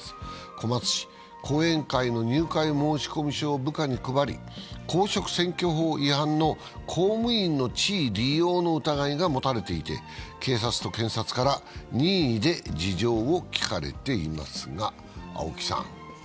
小松氏、後援会の入会申込書を部下に配り、公職選挙法違反の公務員の地位利用の疑いが持たれていて、警察と検察から任意で事情を聞かれています。